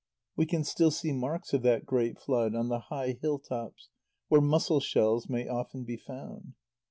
We can still see marks of that great flood, on the high hill tops, where mussel shells may often be found.